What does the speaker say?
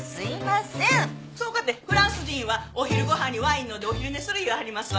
そやかてフランス人はお昼ご飯にワイン飲んでお昼寝する言わはりますわ。